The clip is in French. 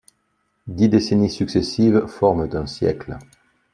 Dix décennies successives forment un siècle.